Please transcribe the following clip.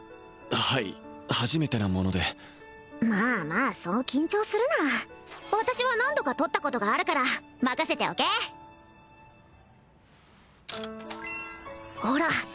はい初めてなものでまあまあそう緊張するな私は何度か撮ったことがあるから任せておけほら